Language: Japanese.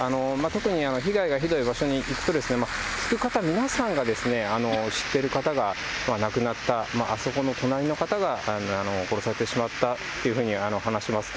特に被害がひどい場所に行くと、聞く方、皆さんが知っている方が亡くなった、あそこの隣の方が殺されてしまったというふうに話します。